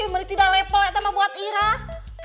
mari tidak lepel ya sama buat irah